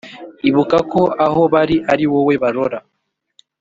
Ibuka ko aho bari ari wowe barora ;